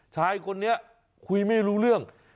ชายคนนี้คุยไม่รู้เรื่อง